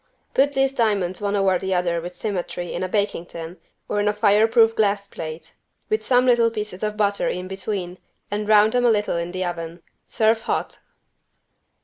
Put these diamonds one over the other with symmetry in a baking tin or in a fireproof glass plate, with some little pieces of butter in between and brown them a little in the oven. Serve hot.